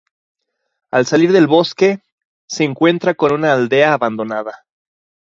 Al salir del bosque, se encuentra con una aldea abandonada.